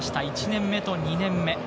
１年目と２年目。